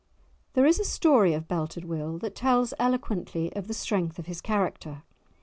There is a story of Belted Will that tells eloquently of the strength of his character.